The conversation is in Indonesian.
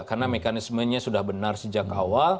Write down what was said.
karena mekanismenya sudah benar sejak awal